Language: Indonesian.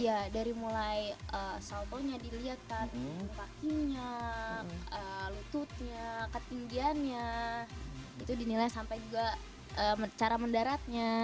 iya dari mulai saldonya dilihat kan kakinya lututnya ketinggiannya itu dinilai sampai juga cara mendaratnya